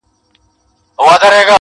دا سړی څوک وو چي ژړا يې کړم خندا يې کړم~